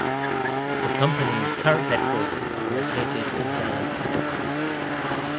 The company's current headquarters are located in Dallas, Texas.